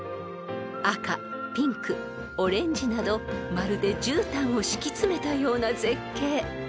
［赤ピンクオレンジなどまるでじゅうたんを敷き詰めたような絶景］